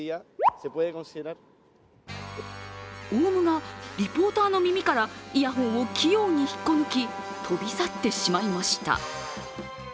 オウムがリポーターの耳からイヤホンを器用に引っこ抜き飛び去ってしまいました。